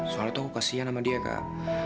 soalnya tuh aku kasihan sama dia kak